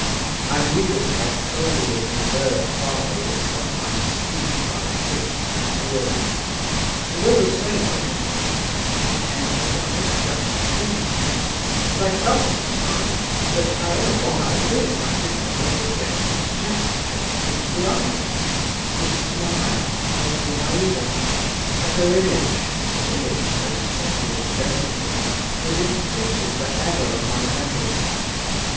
I knew that my cold and reserved father was sometimes seized by fits of fury; and all the same, I could never comprehend what I had just seen…. But I felt at the time that, however long I lived, I could never forget the gesture, the glance, the smile, of Zinaïda; that her image, this image so suddenly presented to me, was imprinted for ever on my memory.